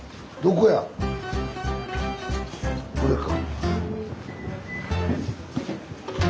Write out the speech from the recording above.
これか。